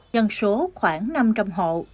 dân số khoảng năm trăm linh hộ